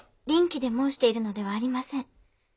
悋気で申しているのではありません。